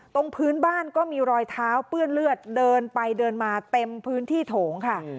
ตรงพื้นบ้านก็มีรอยเท้าเปื้อนเลือดเดินไปเดินมาเต็มพื้นที่โถงค่ะ